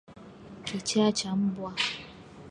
kichaa cha mbwa